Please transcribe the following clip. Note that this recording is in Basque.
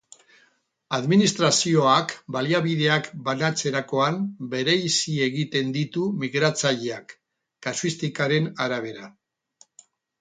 Administrazioak baliabideak banatzerakoan bereizi egiten ditu migratzaileak, kasuistikaren arabera.